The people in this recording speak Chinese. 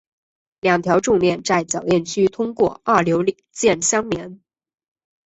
两条重链在铰链区通过二硫键相连。